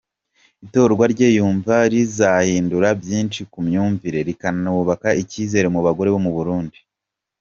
Itorwa rye yumva rizahindura byinshi ku myumvire, rikanubaka icyizere mu bagore bo mu Burundi.